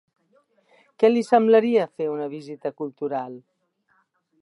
Què li semblaria fer una visita cultural?